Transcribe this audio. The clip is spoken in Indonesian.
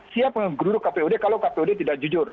siap menggeruduk kpud kalau kpud tidak jujur